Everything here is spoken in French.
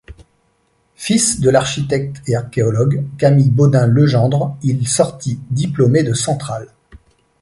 Fils de l'architecte et archéologue Camille Bodin-Legendre, il sorti diplômé de Centrale.